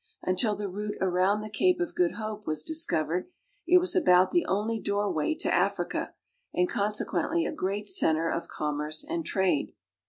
Until the route around the Cape of Good Hope was dis covered, it was about the only doorway to Africa, and con sequently a great center of commerce and trade.